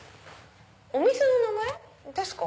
お店の名前ですか？